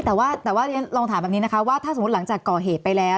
แต่ว่าลองถามแบบนี้นะคะว่าถ้าสมมติหลังจากก่อเหตุไปแล้ว